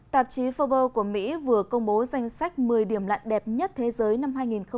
tạp chí forbes của mỹ vừa công bố danh sách một mươi điểm lạn đẹp nhất thế giới năm hai nghìn hai mươi